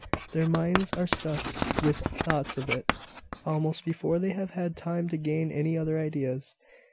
Their minds are stuffed with thoughts of it almost before they have had time to gain any other ideas."